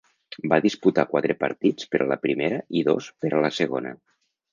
Va disputar quatre partits per a la primera i dos per a la segona.